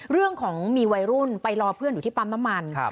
เรื่องของมีวัยรุ่นไปรอเพื่อนอยู่ที่ปั๊มน้ำมัน